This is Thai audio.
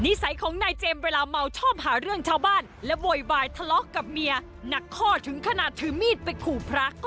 สัยของนายเจมส์เวลาเมาชอบหาเรื่องชาวบ้านและโวยวายทะเลาะกับเมียหนักข้อถึงขนาดถือมีดไปขู่พระก็